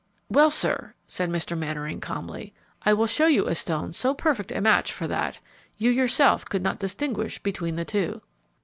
"Well, sir," said Mr. Mannering, calmly, "I will show you a stone so perfect a match for that, you yourself could not distinguish between the two."